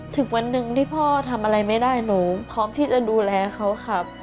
ถึงวันหนึ่งที่พ่อทำอะไรไม่ได้หนูพร้อมที่จะดูแลเขาครับ